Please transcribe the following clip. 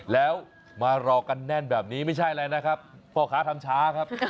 แล้วมารอกันแน่นแบบนี้ไม่ใช่อะไรนะครับพ่อค้าทำช้าครับ